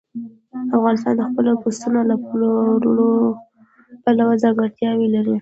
افغانستان د خپلو پسونو له پلوه ځانګړتیاوې لري.